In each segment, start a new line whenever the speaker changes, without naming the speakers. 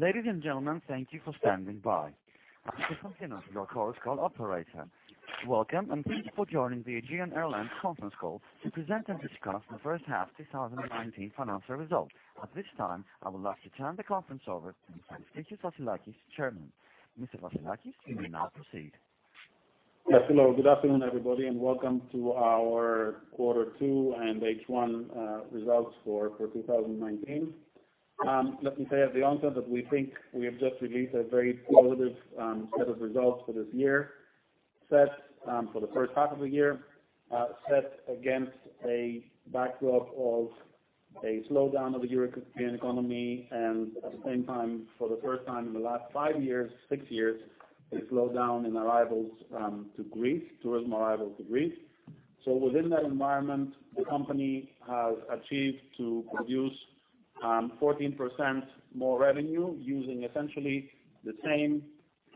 Ladies and gentlemen, thank you for standing by. To continue with your call, operator. Welcome, thank you for joining the Aegean Airlines conference call to present and discuss the first half 2019 financial results. At this time, I would like to turn the conference over to Eftichios Vassilakis, Chairman. Mr. Vassilakis, you may now proceed.
Yes, hello, good afternoon, everybody, welcome to our quarter two and H1 results for 2019. Let me say at the onset that we think we have just released a very positive set of results for this year, set for the first half of the year, set against a backdrop of a slowdown of the European economy. At the same time, for the first time in the last five years, six years, a slowdown in arrivals to Greece, tourism arrivals to Greece. Within that environment, the company has achieved to produce 14% more revenue using essentially the same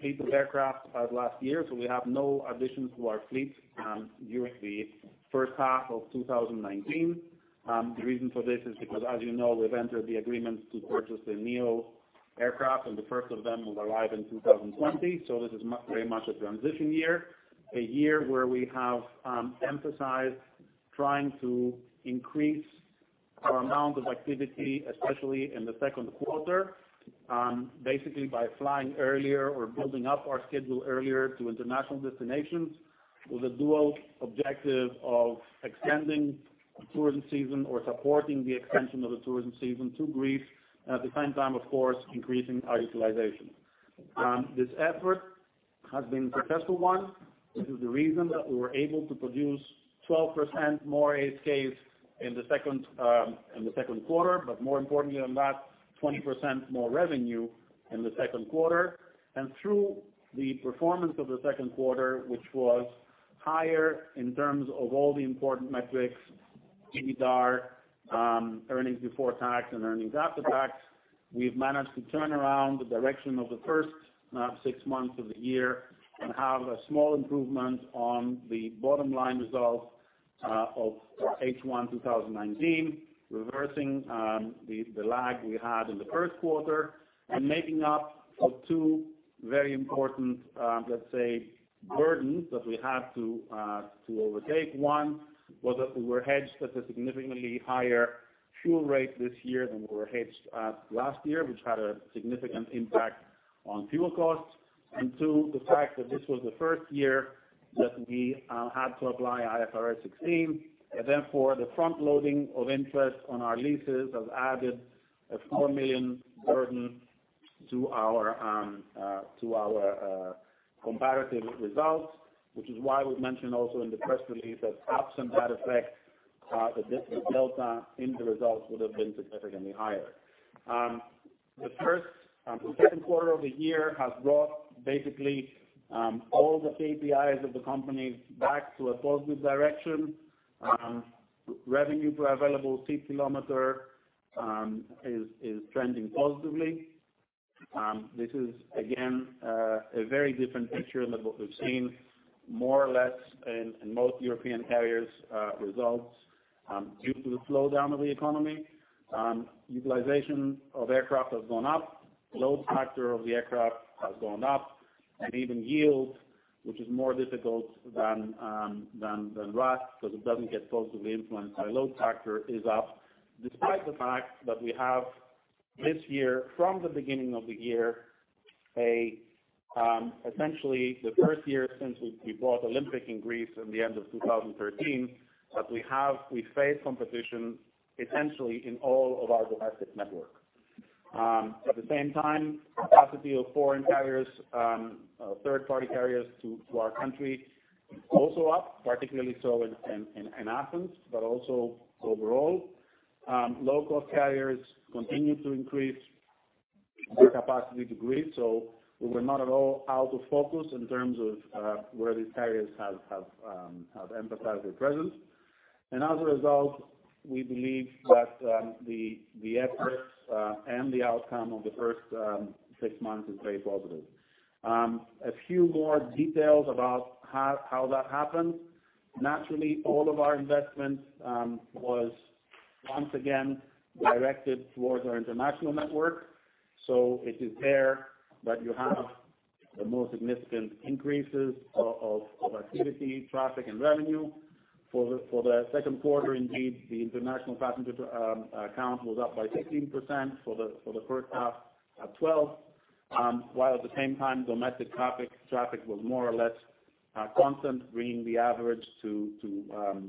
fleet of aircraft as last year. We have no additions to our fleet during the first half of 2019. The reason for this is because, as you know, we've entered the agreement to purchase the Neo aircraft, and the first of them will arrive in 2020. This is very much a transition year, a year where we have emphasized trying to increase our amount of activity, especially in the second quarter, basically by flying earlier or building up our schedule earlier to international destinations with a dual objective of extending the tourism season or supporting the extension of the tourism season to Greece, at the same time, of course, increasing our utilization. This effort has been successful one. This is the reason that we were able to produce 12% more ASKs in the second quarter. More importantly than that, 20% more revenue in the second quarter. Through the performance of the second quarter, which was higher in terms of all the important metrics, EBITDA, earnings before tax, and earnings after tax, we've managed to turn around the direction of the first six months of the year and have a small improvement on the bottom line result of H1 2019, reversing the lag we had in the first quarter and making up for two very important, let's say, burdens that we had to overtake. One was that we were hedged at a significantly higher fuel rate this year than we were hedged at last year, which had a significant impact on fuel costs. 2, the fact that this was the first year that we had to apply IFRS 16, and therefore, the front loading of interest on our leases has added a 4 million burden to our comparative results, which is why we've mentioned also in the press release that absent that effect, the delta in the results would have been significantly higher. The second quarter of the year has brought basically all the KPIs of the company back to a positive direction. Revenue per available seat kilometer is trending positively. This is again, a very different picture than what we've seen, more or less in most European carriers' results due to the slowdown of the economy. Utilization of aircraft has gone up, load factor of the aircraft has gone up, even yield, which is more difficult than last because it doesn't get positively influenced by load factor, is up despite the fact that we have this year, from the beginning of the year, essentially the first year since we bought Olympic in Greece in the end of 2013, that we face competition essentially in all of our domestic network. At the same time, capacity of foreign carriers, third party carriers to our country also up, particularly so in Athens, but also overall. Low-cost carriers continue to increase their capacity to Greece. We were not at all out of focus in terms of where these carriers have emphasized their presence. As a result, we believe that the efforts and the outcome of the first six months is very positive. A few more details about how that happened. Naturally, all of our investment was once again directed towards our international network. It is there that you have the most significant increases of activity, traffic, and revenue. For the second quarter, indeed, the international passenger count was up by 16%, for the first half at 12%, while at the same time, domestic traffic was more or less constant, bringing the average to,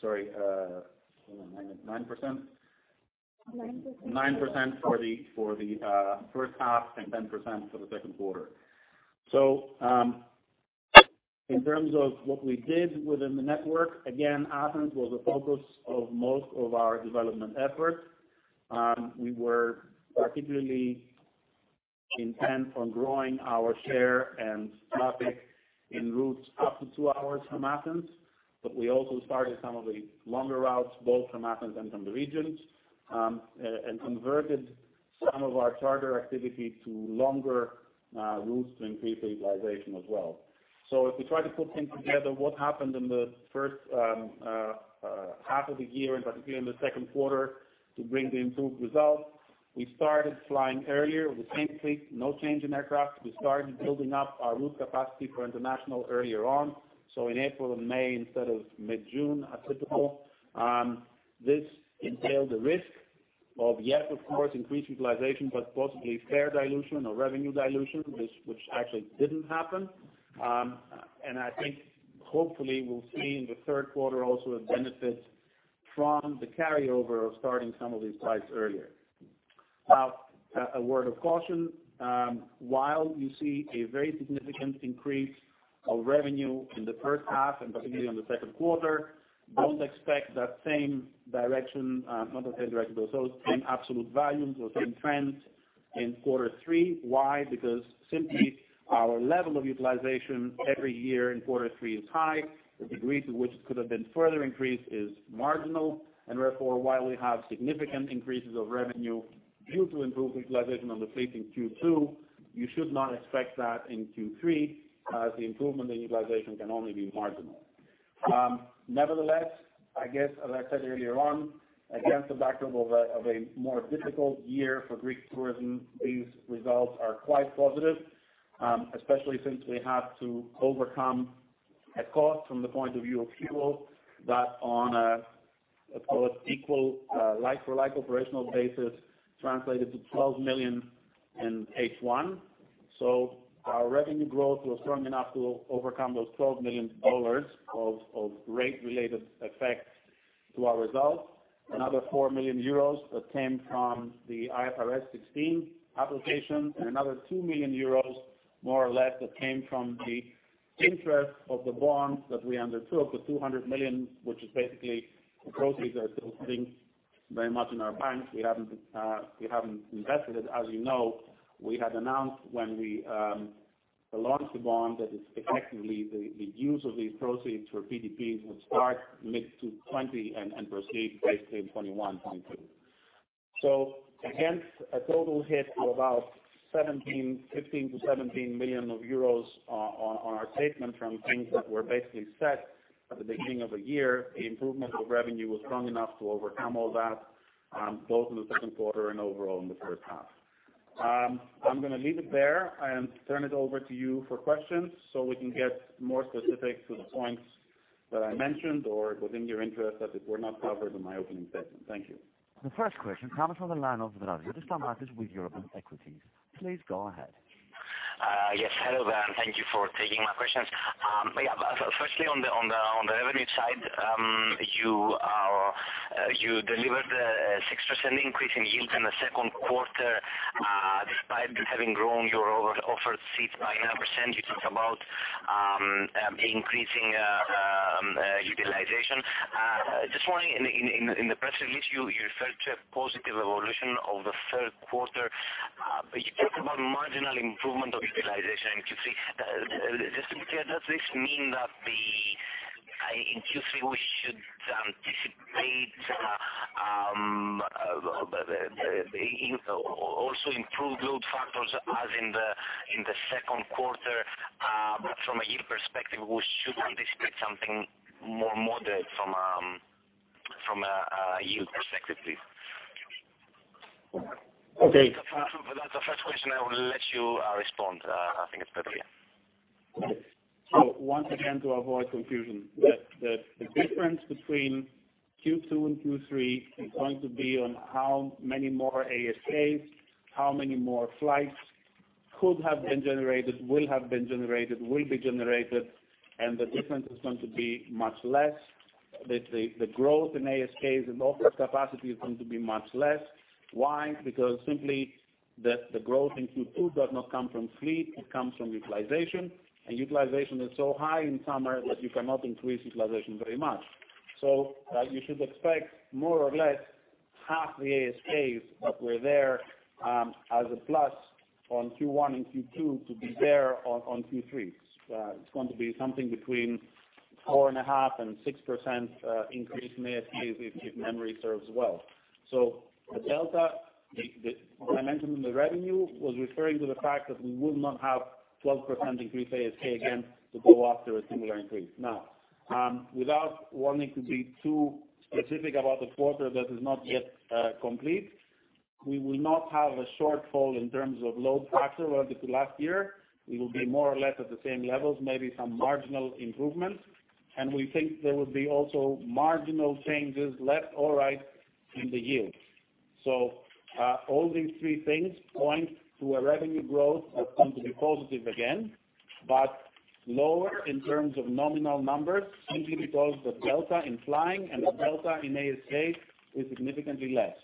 sorry, hang on, 9%?
9%.
9% for the first half and 10% for the second quarter. In terms of what we did within the network, again, Athens was the focus of most of our development effort. We were particularly intent on growing our share and traffic in routes up to two hours from Athens, but we also started some of the longer routes, both from Athens and from the regions, and converted some of our charter activity to longer routes to increase utilization as well. If we try to put things together, what happened in the first half of the year, and particularly in the second quarter, to bring the improved results. We started flying earlier with the same fleet, no change in aircraft. We started building up our route capacity for international earlier on, so in April and May instead of mid-June as typical. This entailed a risk of, yes, of course, increased utilization, but possibly fare dilution or revenue dilution, which actually didn't happen. I think hopefully we'll see in the third quarter also a benefit from the carryover of starting some of these flights earlier. Now, a word of caution. While you see a very significant increase of revenue in the first half and particularly on the second quarter, don't expect that same direction, not the same direction, but those same absolute values or same trends in quarter three. Why? Because simply our level of utilization every year in quarter three is high. The degree to which it could have been further increased is marginal, and therefore, while we have significant increases of revenue due to improved utilization on the fleet in Q2, you should not expect that in Q3 as the improvement in utilization can only be marginal. Nevertheless, I guess, as I said earlier on, against the backdrop of a more difficult year for Greek tourism, these results are quite positive. Especially since we had to overcome a cost from the point of view of fuel that on a like-for-like operational basis, translated to $12 million in H1. Our revenue growth was strong enough to overcome those $12 million of rate related effects to our results. Another 4 million euros that came from the IFRS 16 application and another 2 million euros more or less that came from the interest of the bonds that we undertook, the 200 million, which is basically the proceeds are still sitting very much in our banks. We haven't invested it. As you know, we had announced when we launched the bond that it's effectively the use of these proceeds for PDPs would start mid-2020 and proceed basically in 2021, 2022. Against a total hit of about 15 million to 17 million euros on our statement from things that were basically set at the beginning of the year, the improvement of revenue was strong enough to overcome all that, both in the second quarter and overall in the first half. I'm going to leave it there and turn it over to you for questions so we can get more specific to the points that I mentioned or within your interest that were not covered in my opening statement. Thank you.
The first question comes from the line of Brazos. This time, that is with Eurobank Equities. Please go ahead.
Yes. Hello there, and thank you for taking my questions. Yeah, firstly on the revenue side, you delivered a 6% increase in yield in the second quarter, despite having grown your offered seats by 9%. You talk about increasing utilization. Just wondering, in the press release you referred to a positive evolution of the third quarter. You talk about marginal improvement of utilization in Q3. Just simply, does this mean that in Q3 we should anticipate also improved load factors as in the second quarter? From a yield perspective, we should anticipate something more moderate from a yield perspective, please.
Okay.
That's the first question. I will let you respond. I think it's better.
Once again, to avoid confusion, the difference between Q2 and Q3 is going to be on how many more ASKs, how many more flights could have been generated, will have been generated, will be generated, and the difference is going to be much less. The growth in ASKs and offered capacity is going to be much less. Why? Because simply the growth in Q2 does not come from fleet, it comes from utilization. Utilization is so high in summer that you cannot increase utilization very much. You should expect more or less half the ASKs that were there as a plus on Q1 and Q2 to be there on Q3. It's going to be something between 4.5 and 6% increase in ASKs if memory serves well. The delta, when I mentioned the revenue, was referring to the fact that we would not have 12% increase in ASK again to go after a similar increase. Without wanting to be too specific about a quarter that is not yet complete, we will not have a shortfall in terms of load factor relative to last year. We will be more or less at the same levels, maybe some marginal improvements, and we think there will be also marginal changes left or right in the yield. All these three things point to a revenue growth that's going to be positive again, but lower in terms of nominal numbers simply because the delta in flying and the delta in ASK is significantly less.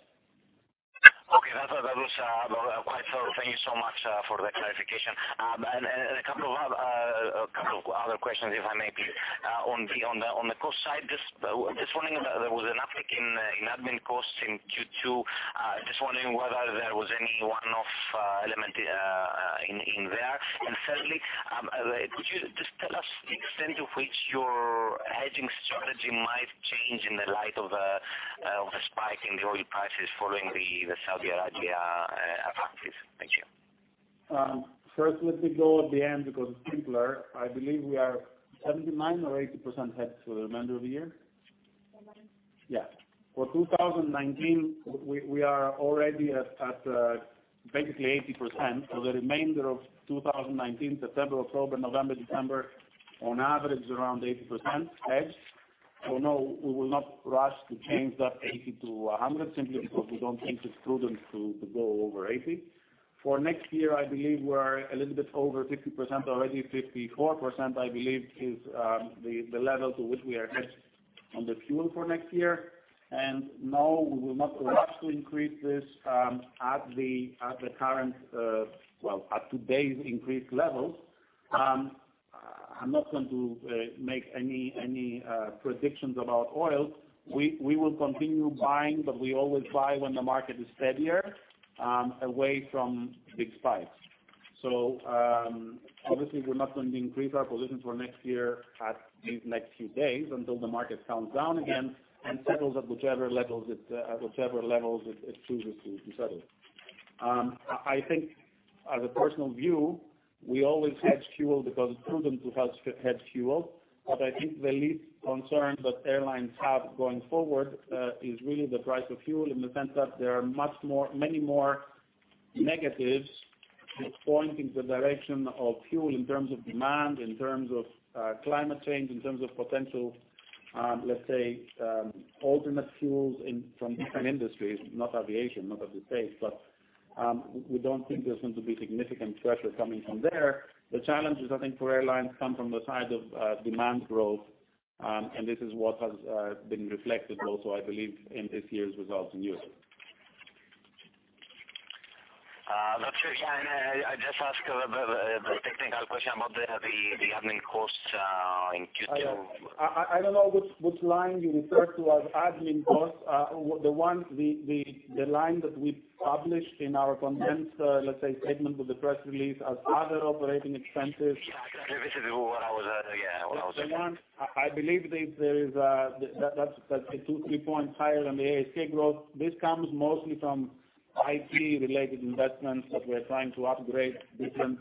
Okay. That was quite thorough. Thank you so much for the clarification. A couple of other questions, if I may please. On the cost side, just wondering, there was an uptick in admin costs in Q2. Just wondering whether there was any one-off element in there. Thirdly, could you just tell us the extent to which your hedging strategy might change in the light of the spike in oil prices following the Saudi Arabia attacks, please?
Let me go at the end, because it's simpler. I believe we are 79% or 80% hedged for the remainder of the year.
79%.
For 2019, we are already at basically 80% for the remainder of 2019, September, October, November, December, on average, around 80% hedged. No, we will not rush to change that 80% to 100%, simply because we don't think it's prudent to go over 80%. For next year, I believe we're a little bit over 50% already, 54%, I believe is the level to which we are hedged on the fuel for next year. No, we will not rush to increase this at today's increased levels. I'm not going to make any predictions about oil. We will continue buying, but we always buy when the market is steadier, away from big spikes. Obviously we're not going to increase our positions for next year at these next few days until the market calms down again and settles at whichever levels it chooses to settle. I think as a personal view, we always hedge fuel because it's prudent to hedge fuel. I think the least concern that airlines have going forward is really the price of fuel in the sense that there are many more negatives that point in the direction of fuel in terms of demand, in terms of climate change, in terms of potential, let's say, ultimate fuels from different industries, not aviation, not at this stage. We don't think there's going to be significant pressure coming from there. The challenges, I think, for airlines come from the side of demand growth, this is what has been reflected also, I believe, in this year's results in Europe.
That's it. I just ask the technical question about the admin cost in Q2.
I don't know which line you refer to as admin cost. The line that we published in our condensed, let's say, statement of the press release as other operating expenses.
Yeah, this is what I was, yeah.
I believe that's two, three points higher than the ASK growth. This comes mostly from IT related investments that we're trying to upgrade different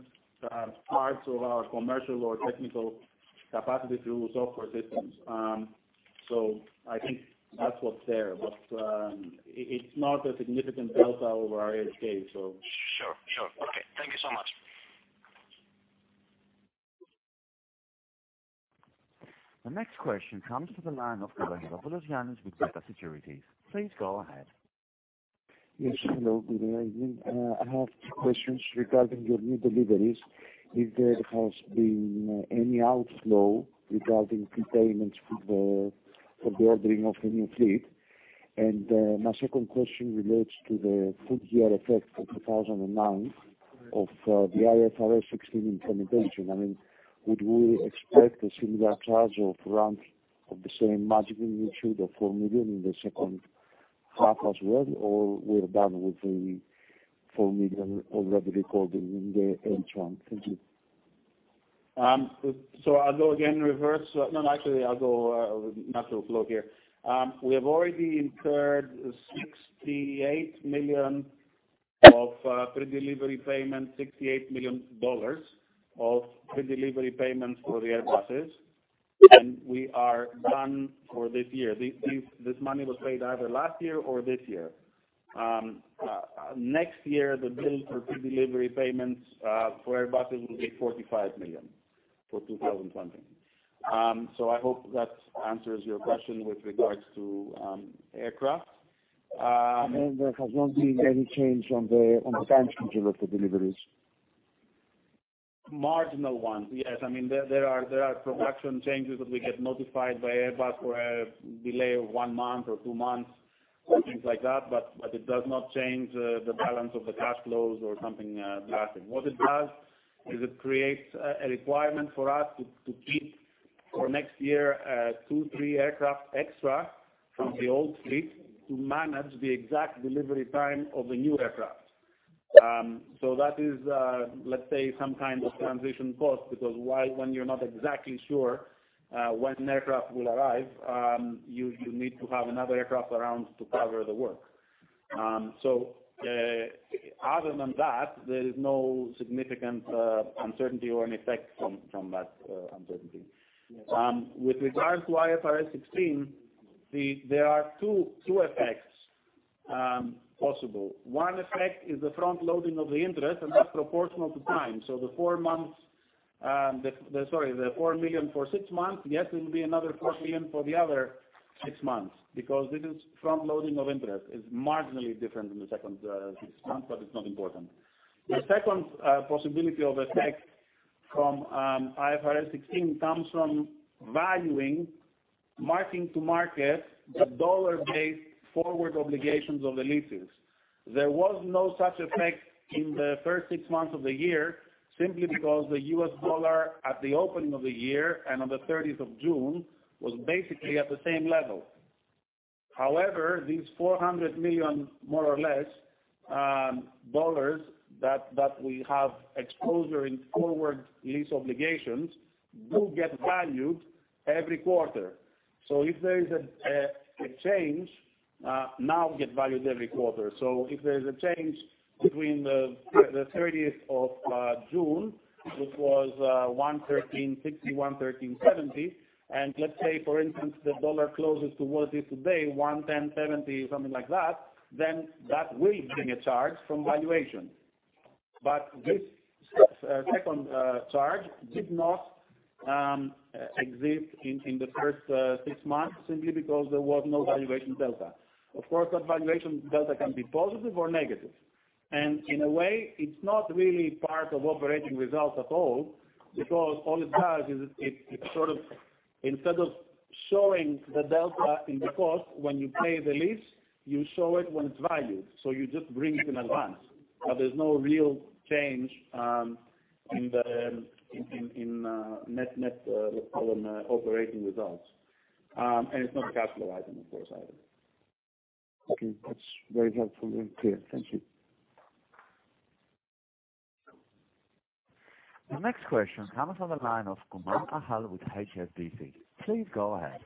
parts of our commercial or technical capacity through software systems. I think that's what's there. It's not a significant delta over our ASK, so.
Sure. Okay. Thank you so much.
The next question comes to the line of Evangelos Charatsis with BETA Securities. Please go ahead.
Yes, hello. Good evening. I have two questions regarding your new deliveries. If there has been any outflow regarding prepayments for the ordering of the new fleet? My second question relates to the full year effect for 2009 of the IFRS 16 implementation. Would we expect a similar charge of the same magnitude of 4 million in the second half as well, or we're done with the 4 million already recorded in the interim? Thank you.
I'll go again in reverse. No, actually, I'll go natural flow here. We have already incurred 68 million of pre-delivery payments for the Airbuses, and we are done for this year. This money was paid either last year or this year. Next year, the bill for pre-delivery payments for Airbuses will be 45 million, for 2020. I hope that answers your question with regards to aircraft.
There has not been any change on the time schedule of the deliveries?
Marginal ones. Yes. There are production changes that we get notified by Airbus for a delay of one month or two months or things like that, but it does not change the balance of the cash flows or something drastic. What it does is it creates a requirement for us to keep for next year two, three aircraft extra from the old fleet to manage the exact delivery time of the new aircraft. That is, let's say, some kind of transition cost, because when you're not exactly sure when aircraft will arrive you need to have another aircraft around to cover the work. Other than that, there is no significant uncertainty or an effect from that uncertainty.
Yes.
With regards to IFRS 16, there are two effects possible. One effect is the front loading of the interest, and that's proportional to time. The 4 million for six months, yes, it will be another 4 million for the other six months, because this is front loading of interest. It's marginally different in the second six months, but it's not important. The second possibility of effect from IFRS 16 comes from valuing, marking to market, the dollar-based forward obligations of the leases. There was no such effect in the first six months of the year, simply because the US dollar at the opening of the year and on the 30th of June was basically at the same level. These 400 million more or less, that we have exposure in forward lease obligations, do get valued every quarter. If there is a change, now we get valued every quarter. If there is a change between the 30th of June, which was 1.1360, 1.1370, and let's say, for instance, the dollar closes to what it is today, 1.1070, something like that, then that will bring a charge from valuation. This second charge did not exist in the first six months simply because there was no valuation delta. Of course, that valuation delta can be positive or negative. In a way, it's not really part of operating results at all because all it does is instead of showing the delta in the cost when you pay the lease, you show it when it's valued. You just bring it in advance. There's no real change in net problem operating results. It's not a capital item, of course, either.
Okay. That's very helpful and clear. Thank you.
The next question comes on the line of Achal Kumar with HSBC. Please go ahead.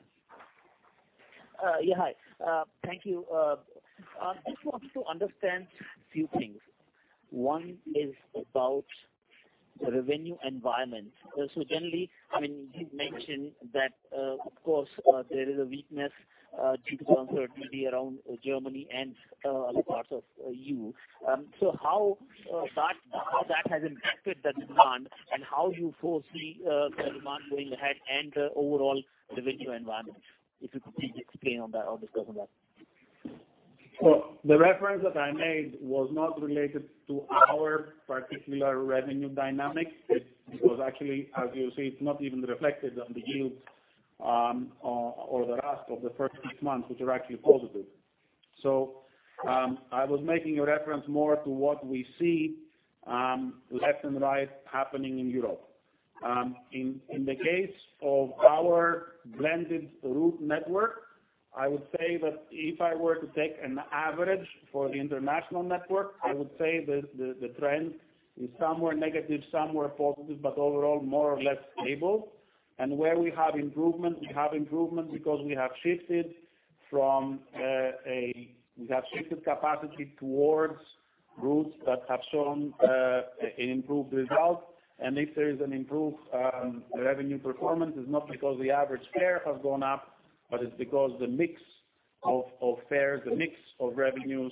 Yeah. Hi. Thank you. I just wanted to understand a few things. One is about the revenue environment. Generally, you mentioned that of course, there is a weakness due to uncertainty around Germany and other parts of EU. How that has impacted the demand and how you foresee the demand going ahead and the overall revenue environment, if you could please explain on that or discuss on that.
The reference that I made was not related to our particular revenue dynamics. It was actually, as you see, it's not even reflected on the yields or the RASK of the first six months, which are actually positive. I was making a reference more to what we see left and right happening in Europe. In the case of our blended route network, I would say that if I were to take an average for the international network, I would say that the trend is somewhere negative, somewhere positive, but overall, more or less stable. Where we have improvement, we have improvement because we have shifted capacity towards routes that have shown an improved result. If there is an improved revenue performance, it's not because the average fare has gone up, but it's because the mix of fares, the mix of revenues,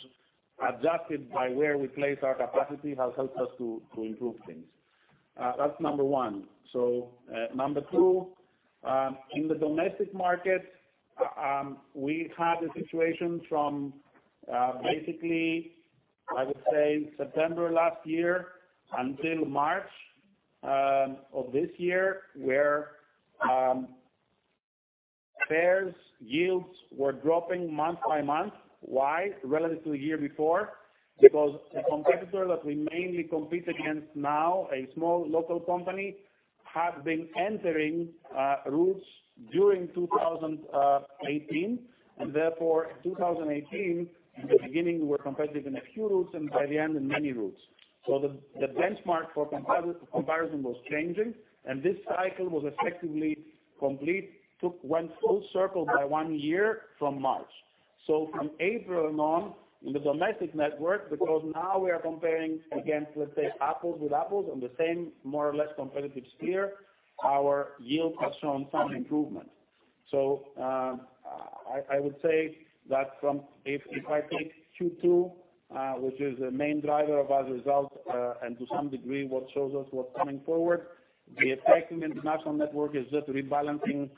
adjusted by where we place our capacity, has helped us to improve things. That's number 1. Number 2, in the domestic market, we had a situation from basically, I would say, September last year until March of this year, where fares yields were dropping month by month. Why? Relative to a year before. Because the competitor that we mainly compete against now, a small local company, had been entering routes during 2018, and therefore 2018, in the beginning, we were competitive in a few routes, and by the end, in many routes. The benchmark for comparison was changing, and this cycle was effectively complete, went full circle by one year from March. From April and on, in the domestic network, because now we are comparing against, let's say, apples with apples on the same more or less competitive sphere, our yield has shown some improvement. I would say that if I take Q2, which is the main driver of our results, and to some degree what shows us what's coming forward, the effect in international network is just rebalancing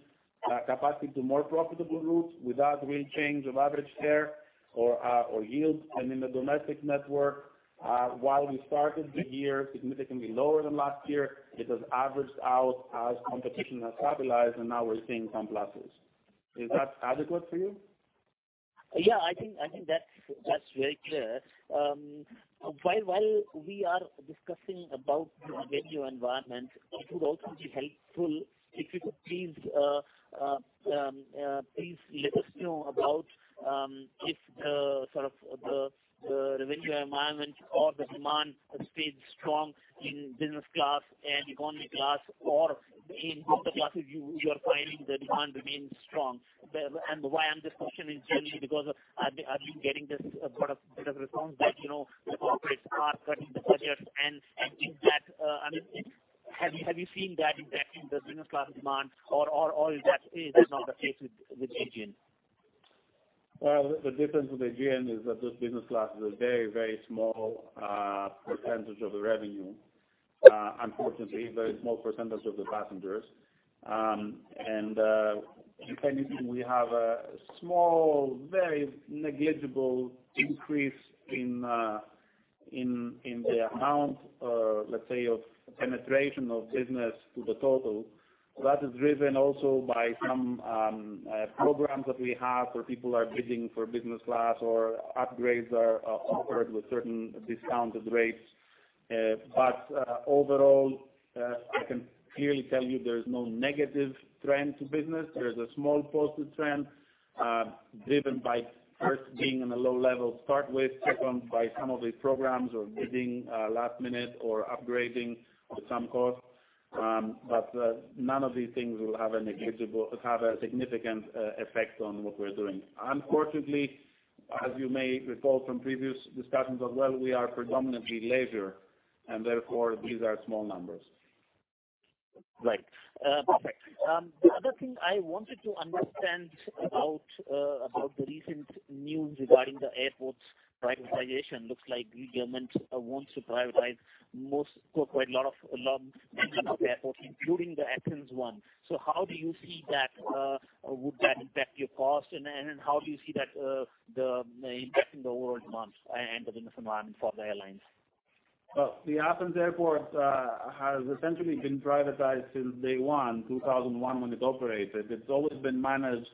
capacity to more profitable routes without real change of average fare or yield. In the domestic network, while we started the year significantly lower than last year, it has averaged out as competition has stabilized, and now we're seeing some losses. Is that adequate for you?
Yeah, I think that's very clear. While we are discussing about the revenue environment, it would also be helpful if you could please let us know about if the revenue environment or the demand has stayed strong in business class and economy class, or in which of the classes you are finding the demand remains strong. Why I'm just questioning generally because I've been getting this bit of response that the corporates are cutting the budgets. Have you seen that impacting the business class demand or that is not the case with Aegean?
Well, the difference with Aegean is that this business class is a very small percentage of the revenue. Unfortunately, a very small percentage of the passengers. If anything, we have a small, very negligible increase in the amount of penetration of business to the total. That is driven also by some programs that we have where people are bidding for business class or upgrades are offered with certain discounted rates. Overall, I can clearly tell you there is no negative trend to business. There is a small positive trend, driven by first being in a low-level start with, second, by some of the programs or bidding last minute or upgrading of some cost. None of these things will have a significant effect on what we're doing. Unfortunately, as you may recall from previous discussions as well, we are predominantly leisure, and therefore these are small numbers.
Right. Perfect. The other thing I wanted to understand about the recent news regarding the airport's privatization. Looks like the government wants to privatize quite a lot of regional airports, including the Athens one. How do you see that? Would that impact your cost, and then how do you see that impacting the overall demand and the business environment for the airlines?
Well, the Athens Airport has essentially been privatized since day one, 2001 when it operated. It's always been managed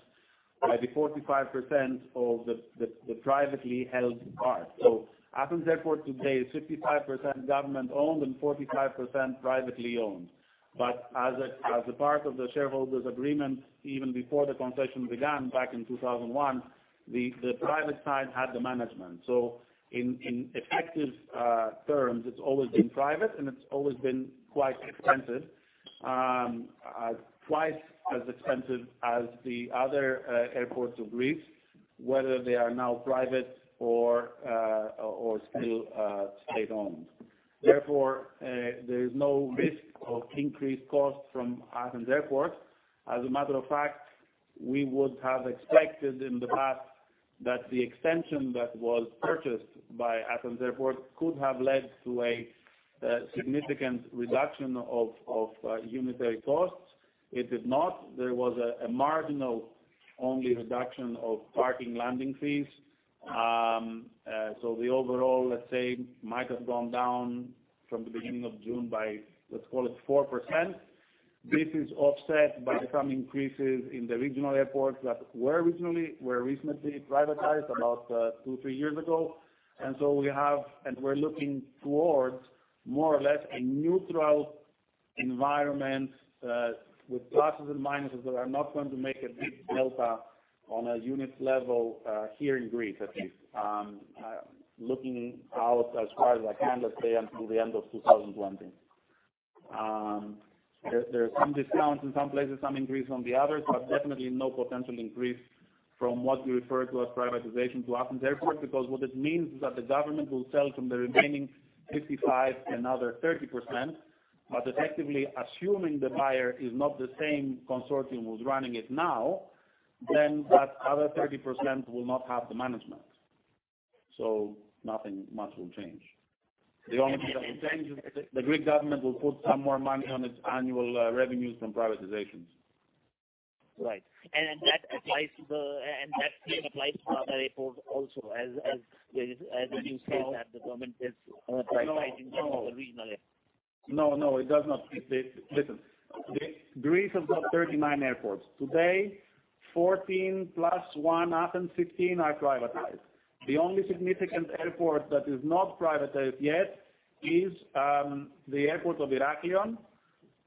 by the 45% of the privately held part. Athens Airport today is 55% government owned and 45% privately owned. As a part of the shareholders agreement, even before the concession began back in 2001, the private side had the management. In effective terms, it's always been private, and it's always been quite expensive. Twice as expensive as the other airports of Greece, whether they are now private or still state owned. Therefore, there is no risk of increased cost from Athens Airport. As a matter of fact, we would have expected in the past that the extension that was purchased by Athens Airport could have led to a significant reduction of unitary costs. It did not. There was a marginal only reduction of parking landing fees. The overall, let's say, might have gone down from the beginning of June by, let's call it 4%. This is offset by some increases in the regional airports that were recently privatized about two, three years ago. We have, and we're looking towards more or less a neutral environment with pluses and minuses that are not going to make a big delta on a unit level here in Greece, at least. Looking out as far as I can, let's say until the end of 2020. There are some discounts in some places, some increase on the others, definitely no potential increase from what we refer to as privatization to Athens International Airport. What it means is that the government will sell from the remaining 55% another 30%, but effectively assuming the buyer is not the same consortium who's running it now, that other 30% will not have the management. Nothing much will change. The only thing that will change is the Greek government will put some more money on its annual revenues from privatizations.
Right. That same applies to other airports also as you said that the government is privatizing some of the regional airports.
No, it does not. Listen. Greece has got 39 airports. Today, 14 plus one, Athens, 15 are privatized. The only significant airport that is not privatized yet is the airport of Heraklion,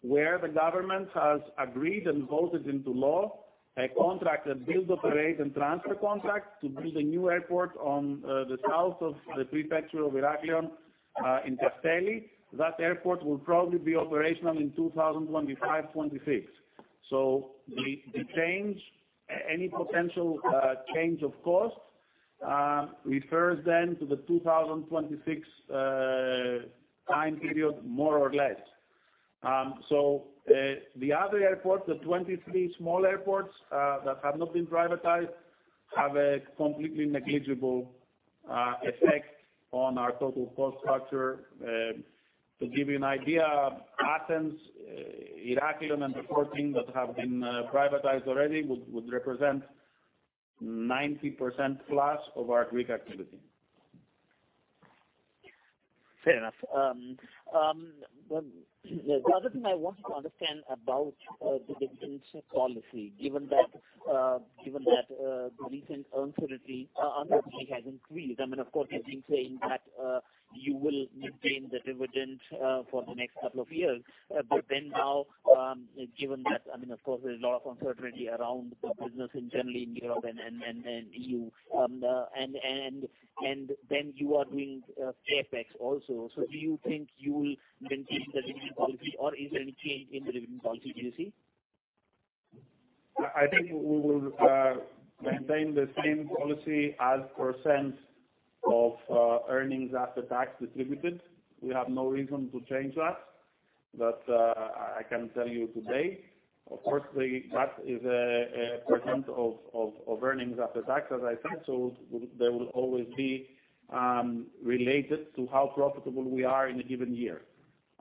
where the government has agreed and voted into law a contract, a build, operate, and transfer contract, to build a new airport on the south of the prefecture of Heraklion in Kasteli. That airport will probably be operational in 2025, '26. The change, any potential change of cost refers then to the 2026 time period, more or less. The other airports, the 23 small airports that have not been privatized, have a completely negligible effect on our total cost structure. To give you an idea, Athens, Heraklion, and the 14 that have been privatized already would represent 90% plus of our Greek activity.
Fair enough. The other thing I wanted to understand about the dividend policy, given that the recent uncertainty has increased. I mean, of course, you've been saying that you will maintain the dividend for the next couple of years, but then now, given that, I mean, of course, there's a lot of uncertainty around the business in generally in Europe and EU. You are doing CapEx also. Do you think you will maintain the dividend policy or is there any change in the dividend policy do you see?
I think we will maintain the same policy as % of earnings after tax distributed. We have no reason to change that. That I can tell you today. Of course, that is a % of earnings after tax, as I said, so they will always be related to how profitable we are in a given year.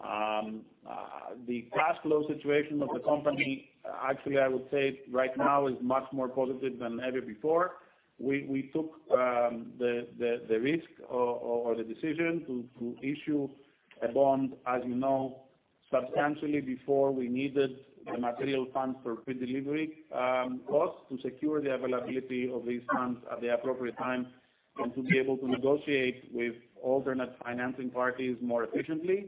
The cash flow situation of the company, actually, I would say right now is much more positive than ever before. We took the risk or the decision to issue a bond, as you know, substantially before we needed the material funds for predelivery costs to secure the availability of these funds at the appropriate time and to be able to negotiate with alternate financing parties more efficiently.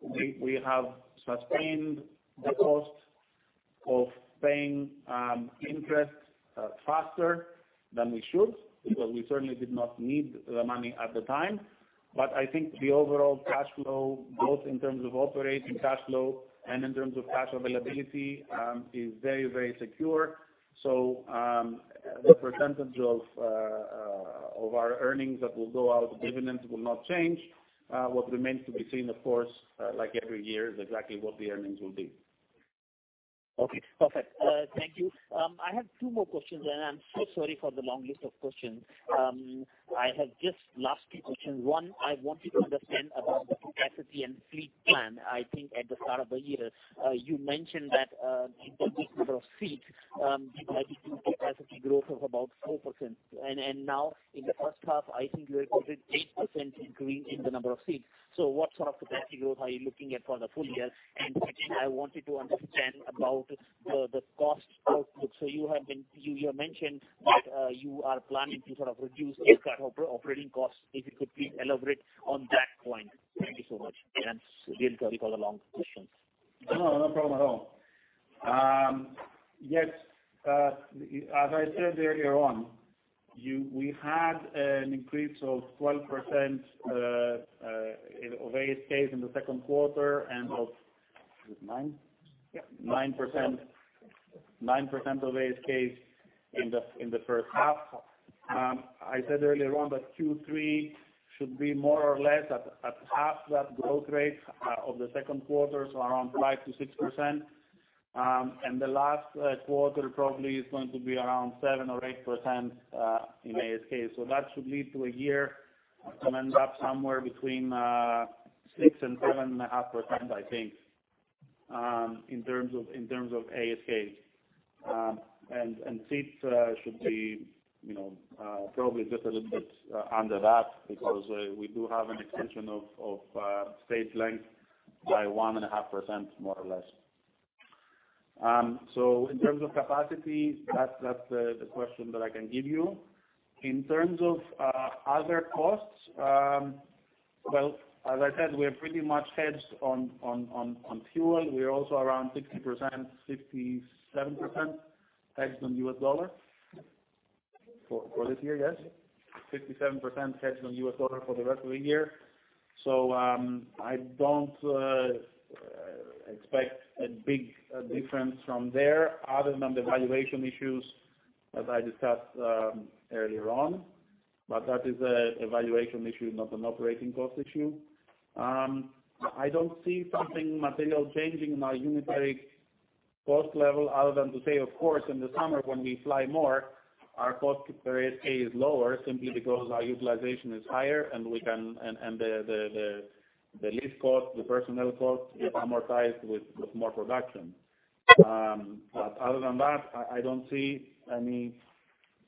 We have sustained the cost of paying interest faster than we should because we certainly did not need the money at the time. I think the overall cash flow, both in terms of operating cash flow and in terms of cash availability is very secure. The percentage of our earnings that will go out as dividends will not change. What remains to be seen, of course, like every year, is exactly what the earnings will be.
Okay, perfect. Thank you. I have two more questions, and I am so sorry for the long list of questions. I have just last two questions. One, I want to understand about the capacity and fleet plan. I think at the start of the year, you mentioned that in terms of number of seats, you might achieve capacity growth of about 4%. Now in the first half, I think you reported 8% increase in the number of seats. What sort of capacity growth are you looking at for the full year? Second, I wanted to understand about the cost outlook. You have mentioned that you are planning to sort of reduce aircraft operating costs. If you could please elaborate on that point. Thank you so much, and sorry for the long questions.
No, no problem at all. As I said earlier on, we had an increase of 12% of ASK in the second quarter.
Is it nine?
Yeah, 9% of ASK in the first half. I said earlier on that Q3 should be more or less at half that growth rate of the second quarter, so around 5%-6%. The last quarter probably is going to be around 7% or 8% in ASK. That should lead to a year to end up somewhere between 6% and 7.5%, I think, in terms of ASK. Seats should be probably just a little bit under that because we do have an extension of stage length by 1.5% more or less. In terms of capacity, that's the question that I can give you. In terms of other costs, well, as I said, we are pretty much hedged on fuel. We are also around 60%, 67% hedged on U.S. dollar.
For this year?
For this year, yes. 67% hedged on U.S. dollar for the rest of the year. I don't expect a big difference from there other than the valuation issues as I discussed earlier on. That is a valuation issue, not an operating cost issue. I don't see something material changing in our unitary cost level other than to say, of course, in the summer when we fly more, our cost per ASK is lower simply because our utilization is higher and the lease cost, the personnel cost is amortized with more production. Other than that, I don't see any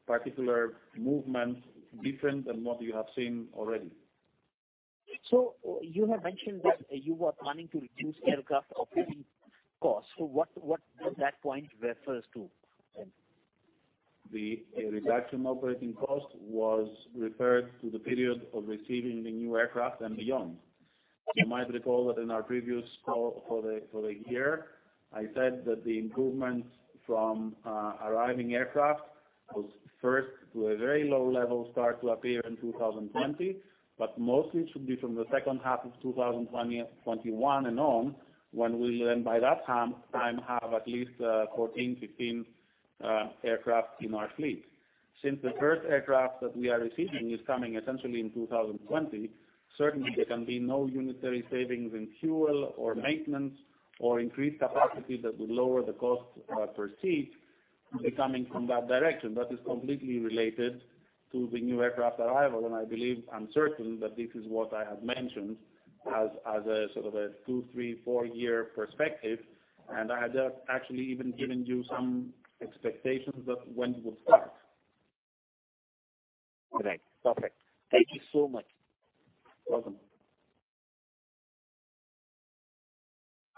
particular movements different than what you have seen already.
You have mentioned that you were planning to reduce aircraft operating costs. What does that point refer to then?
The reduction operating cost was referred to the period of receiving the new aircraft and beyond. You might recall that in our previous call for the year, I said that the improvements from arriving aircraft was first to a very low level start to appear in 2020, but mostly it should be from the second half of 2021 and on when we will then by that time have at least 14, 15 aircraft in our fleet. Since the first aircraft that we are receiving is coming essentially in 2020, certainly there can be no unitary savings in fuel or maintenance or increased capacity that will lower the cost per seat coming from that direction. That is completely related to the new aircraft arrival. I believe I'm certain that this is what I have mentioned as a sort of a two, three, four-year perspective, and I have just actually even given you some expectations of when it would start.
Great. Perfect. Thank you so much.
Welcome.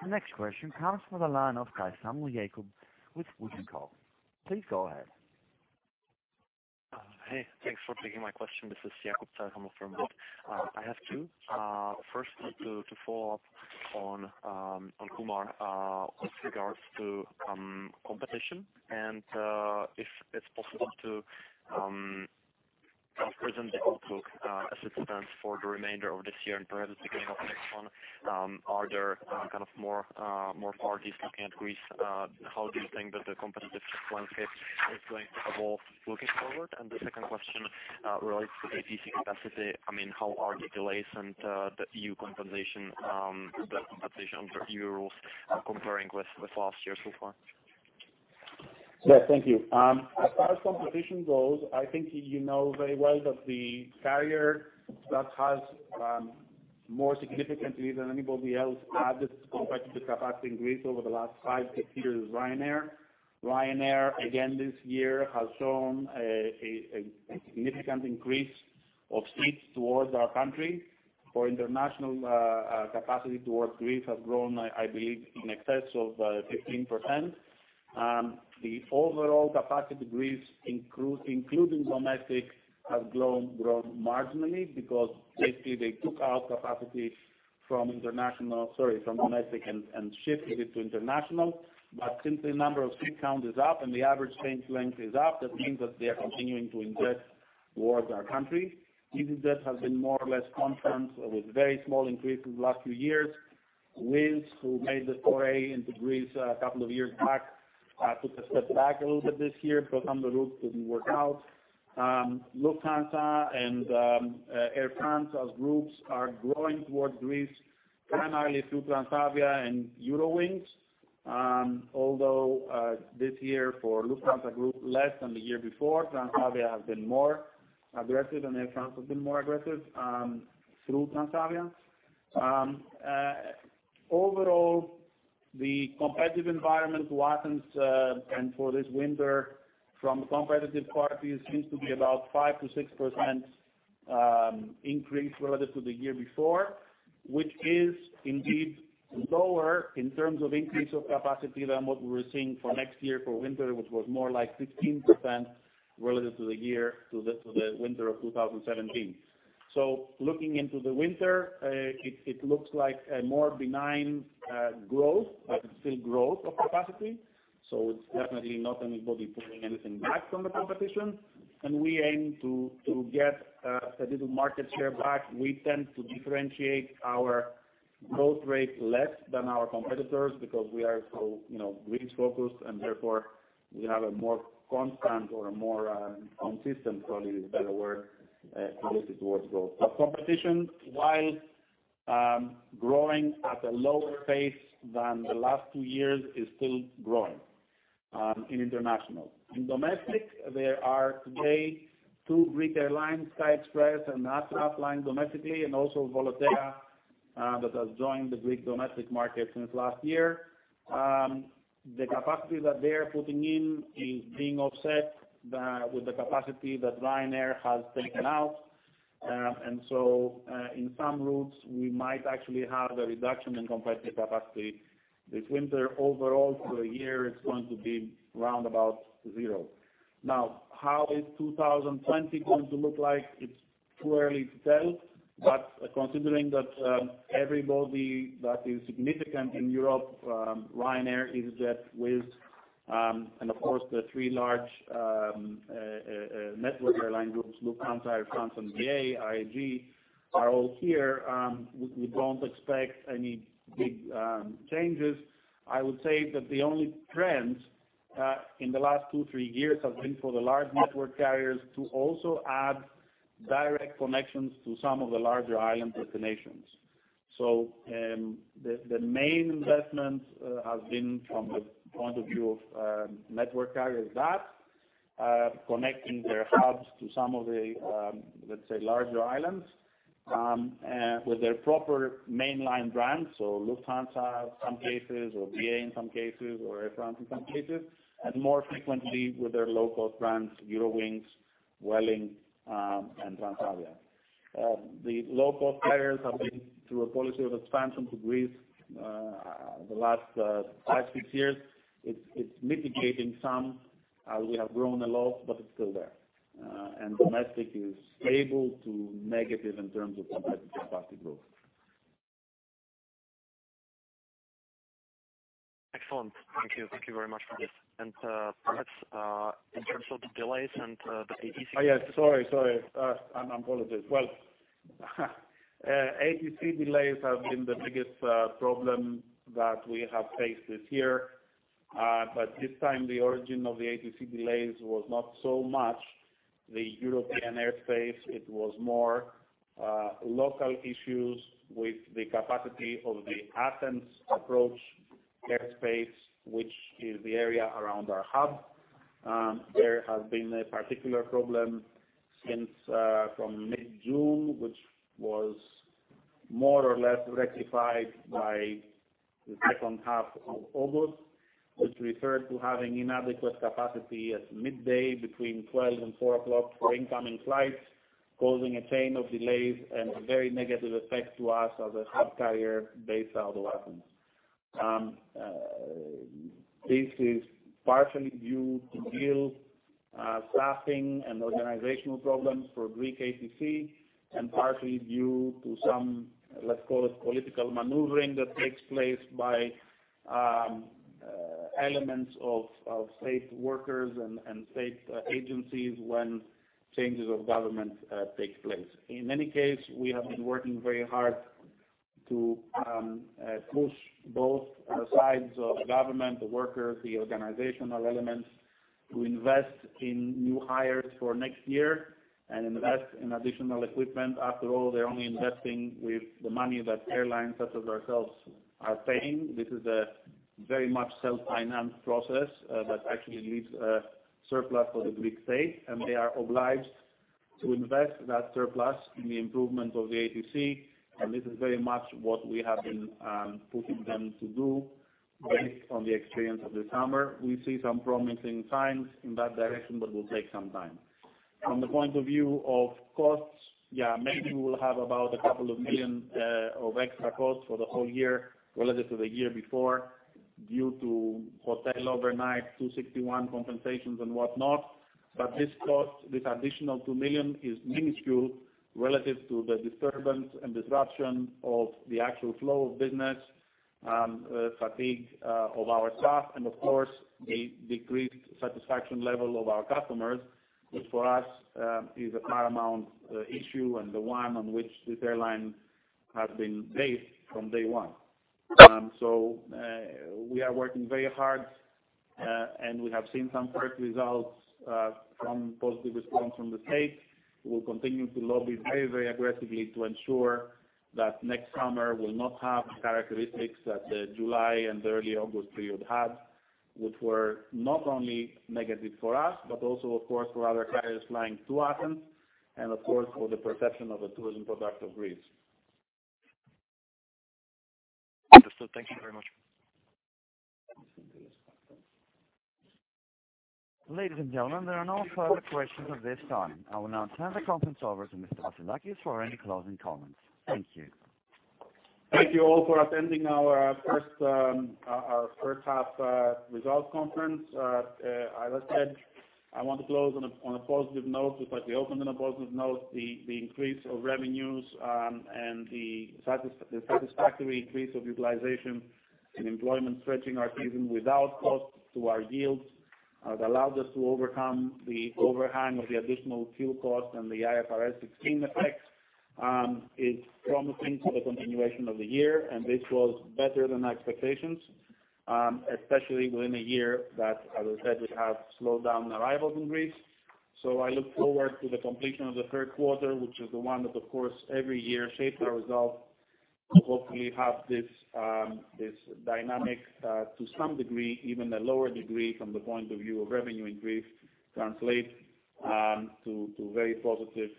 The next question comes from the line of Jakub Caithaml with Wood & Co. Please go ahead.
Hey, thanks for taking my question. This is Jakub Caithaml from Wood & Co. I have two. First one to follow up on Kumar with regards to competition and if it's possible to present the outlook as it stands for the remainder of this year and perhaps the beginning of next one. Are there kind of more parties looking at Greece? How do you think that the competitive landscape is going to evolve looking forward? The second question relates to ATC capacity. I mean, how are the delays and the EU compensation under EU rules comparing with last year so far?
Yes, thank you. As far as competition goes, I think you know very well that the carrier that has more significantly than anybody else added competitive capacity in Greece over the last five, six years is Ryanair. Ryanair again this year has shown a significant increase of seats towards our country. For international capacity towards Greece has grown, I believe in excess of 15%. The overall capacity to Greece, including domestic, have grown marginally because basically they took out capacity from domestic and shifted it to international. Since the number of seat count is up and the average stage length is up, that means that they are continuing to invest towards our country. easyJet has been more or less constant with very small increase in the last few years. Wizz, who made the foray into Greece a couple of years back, took a step back a little bit this year because some of the routes didn't work out. Lufthansa and Air France as groups are growing towards Greece primarily through Transavia and Eurowings. This year for Lufthansa Group, less than the year before, Transavia has been more aggressive and Air France has been more aggressive through Transavia. The competitive environment to Athens and for this winter from competitive parties seems to be about 5%-6% increase relative to the year before, which is indeed lower in terms of increase of capacity than what we're seeing for next year for winter, which was more like 15% relative to the winter of 2017. Looking into the winter, it looks like a more benign growth, but it's still growth of capacity, so it's definitely not anybody pulling anything back from the competition. We aim to get a little market share back. We tend to differentiate our growth rate less than our competitors because we are so Greek focused, and therefore we have a more constant or a more consistent, probably is a better word, towards growth. Competition, while growing at a lower pace than the last two years, is still growing in international. In domestic, there are today two Greek airlines, SKY express and Astra Airlines domestically, and also Volotea that has joined the Greek domestic market since last year. The capacity that they are putting in is being offset with the capacity that Ryanair has taken out. In some routes, we might actually have a reduction in competitive capacity this winter. Overall, for the year, it's going to be round about zero. How is 2020 going to look like? It's too early to tell, considering that everybody that is significant in Europe, Ryanair, easyJet, Wizz Air, and of course the three large network airline groups, Lufthansa, Air France and BA, IAG, are all here. We don't expect any big changes. I would say that the only trends in the last two, three years have been for the large network carriers to also add direct connections to some of the larger island destinations. The main investment has been from the point of view of network carriers that are connecting their hubs to some of the, let's say, larger islands with their proper mainline brands. Lufthansa in some cases, or BA in some cases, or Air France in some cases, and more frequently with their low-cost brands, Eurowings, Vueling, and Transavia. The low-cost carriers have been through a policy of expansion to Greece the last five, six years. It's mitigating some. We have grown a lot, but it's still there. Domestic is stable to negative in terms of competitive capacity growth.
Excellent. Thank you. Thank you very much for this. Perhaps in terms of the delays.
Sorry. My apologies. Well, ATC delays have been the biggest problem that we have faced this year. This time the origin of the ATC delays was not so much the European airspace, it was more local issues with the capacity of the Athens approach airspace, which is the area around our hub. There has been a particular problem since from mid-June, which was more or less rectified by the second half of August, which referred to having inadequate capacity at midday between 12 and 4 o'clock for incoming flights, causing a chain of delays and a very negative effect to us as a hub carrier based out of Athens. This is partially due to yield staffing and organizational problems for Greek ATC, partly due to some, let's call it political maneuvering that takes place by elements of state workers and state agencies when changes of government take place. In any case, we have been working very hard to push both sides of government, the workers, the organizational elements, to invest in new hires for next year and invest in additional equipment. After all, they're only investing with the money that airlines such as ourselves are paying. This is a very much self-financed process that actually leaves a surplus for the Greek state, they are obliged to invest that surplus in the improvement of the ATC. This is very much what we have been pushing them to do based on the experience of this summer. We see some promising signs in that direction, will take some time. From the point of view of costs, yeah, maybe we will have about a couple of million of extra costs for the whole year relative to the year before due to hotel overnight, 261 compensations, and whatnot. This cost, this additional 2 million is minuscule relative to the disturbance and disruption of the actual flow of business, fatigue of our staff, and of course, the decreased satisfaction level of our customers, which for us, is a paramount issue and the one on which this airline has been based from day one. We are working very hard, and we have seen some first results from positive response from the state. We will continue to lobby very aggressively to ensure that next summer will not have the characteristics that the July and early August period had, which were not only negative for us, but also, of course, for other carriers flying to Athens and, of course, for the perception of the tourism product of Greece.
Understood. Thank you very much.
Ladies and gentlemen, there are no further questions at this time. I will now turn the conference over to Mr. Vassilakis for any closing comments. Thank you.
Thank you all for attending our first half results conference. As I said, I want to close on a positive note, just like we opened on a positive note. The increase of revenues and the satisfactory increase of utilization and employment stretching our season without cost to our yields has allowed us to overcome the overhang of the additional fuel cost and the IFRS 16 effect is promising for the continuation of the year. This was better than expectations, especially within a year that, as I said, we have slowed down arrivals in Greece. I look forward to the completion of the third quarter, which is the one that, of course, every year shapes our results. Hopefully have this dynamic to some degree, even a lower degree from the point of view of revenue increase, translate to very positive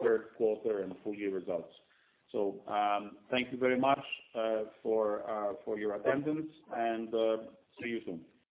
third quarter and full-year results. Thank you very much for your attendance and see you soon.